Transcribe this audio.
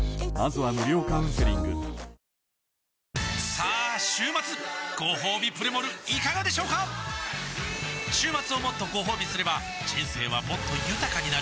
さあ週末ごほうびプレモルいかがでしょうか週末をもっとごほうびすれば人生はもっと豊かになる！